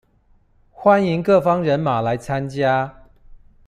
歡迎各方人馬來參加